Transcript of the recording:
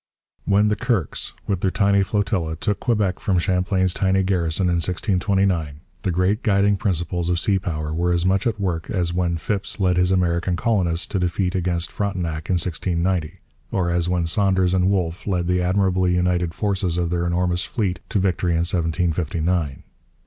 When the Kirkes, with their tiny flotilla, took Quebec from Champlain's tiny garrison in 1629 the great guiding principles of sea power were as much at work as when Phips led his American colonists to defeat against Frontenac in 1690, or as when Saunders and Wolfe led the admirably united forces of their enormous fleet and little army to victory in 1759.